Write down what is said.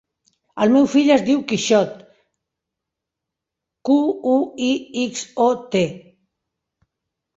El meu fill es diu Quixot: cu, u, i, ics, o, te.